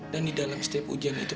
dan di dalam setiap ujian itu